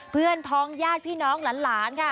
พ้องญาติพี่น้องหลานค่ะ